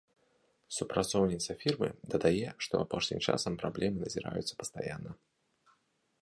Супрацоўніца фірмы дадае, што апошнім часам праблемы назіраюцца пастаянна.